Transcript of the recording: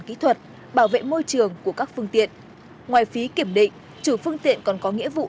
kỹ thuật bảo vệ môi trường của các phương tiện ngoài phí kiểm định chủ phương tiện còn có nghĩa vụ